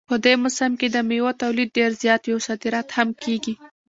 په دې موسم کې د میوو تولید ډېر زیات وي او صادرات هم کیږي